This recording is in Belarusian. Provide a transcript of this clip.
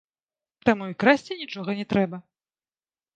Таму і красці нічога не трэба.